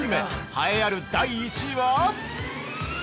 栄えある第１位は？